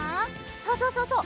そうそうそうそう。